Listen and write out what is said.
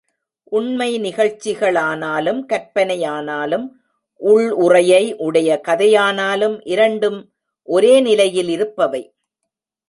உண்மை நிகழ்ச்சிகளானாலும், கற்பனையானாலும், உள்ளுறையை உடைய கதையானாலும் இரண்டும் ஒரே நிலையில் இருப்பவை.